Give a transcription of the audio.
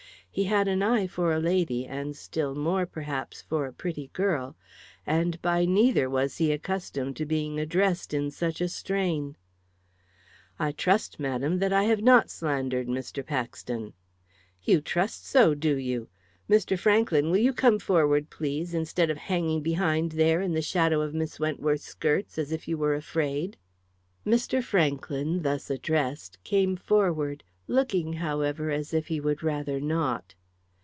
He had an eye for a lady, and still more, perhaps, for a pretty girl. And by neither was he accustomed to being addressed in such a strain. "I trust, madam, that I have not slandered Mr. Paxton." "You trust so, do you? Mr. Franklyn, will you come forward, please, instead of hanging behind there in the shadow of Miss Wentworth's skirts, as if you were afraid?" Mr. Franklyn, thus addressed, came forward, looking, however, as if he would rather not.